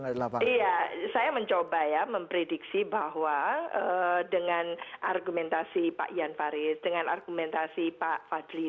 iya saya mencoba ya memprediksi bahwa dengan argumentasi pak iyan fahri dengan argumentasi pak fahli tadi itu